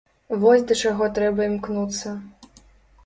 Вось да чаго трэба імкнуцца.